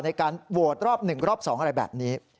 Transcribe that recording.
ในการโหวตรอบ๑รอบ๒อะไรแบบนี้